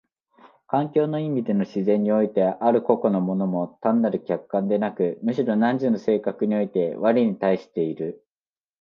環境の意味での自然においてある個々の物も単なる客観でなく、むしろ汝の性格において我に対している。